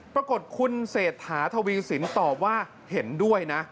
ปรากฏคุณเศรษฐาทวีสินตอบว่าเห็นด้วยนะ